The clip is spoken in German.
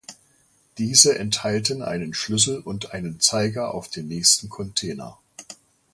Diese enthalten einen Schlüssel und einen Zeiger auf den nächsten Container.